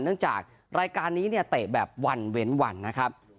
จากรายการนี้เนี่ยเตะแบบวันเว้นวันนะครับ